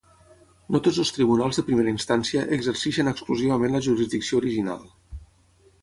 No tots els "tribunals de primera instància" exerceixen exclusivament la jurisdicció original.